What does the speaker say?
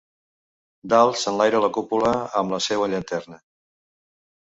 Dalt s'enlaira la cúpula amb la seua llanterna.